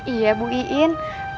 iya bu iin